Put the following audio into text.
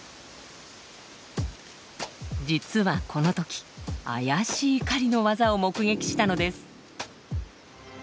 実はこの時妖しい狩りのワザを目撃したのです。